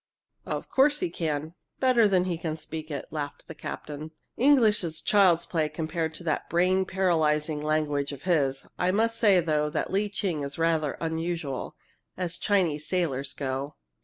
"Of course he can, better than he can speak it!" laughed the captain. "English is child's play compared to that brain paralyzing language of his! I must say, though, that Lee Ching is rather unusual as Chinese sailors go.